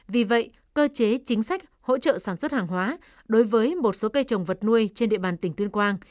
vì vậy cơ chế chính sách hỗ trợ sản xuất hàng hóa đối với một số cây trồng vật nuôi trên địa bàn tỉnh tuyên quang